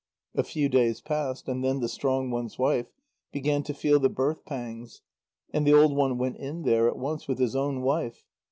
A few days passed, and then the strong one's wife began to feel the birth pangs, and the old one went in there at once with his own wife.